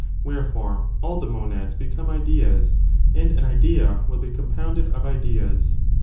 Wherefore, all the monads become ideas, and an idea will be compounded of ideas.